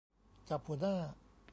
จับหัวหน้า